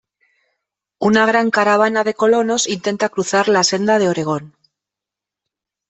Una gran caravana de colonos intenta cruzar la senda de Oregón.